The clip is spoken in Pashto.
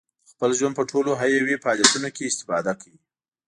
د خپل ژوند په ټولو حیوي فعالیتونو کې استفاده کوي.